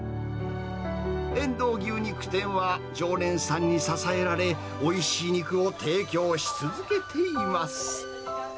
遠藤牛肉店は常連さんに支えられ、おいしい肉を提供し続けています。